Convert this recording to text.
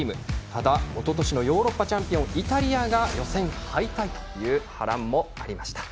ただ、おととしのヨーロッパチャンピオンイタリアが予選敗退という波乱もありました。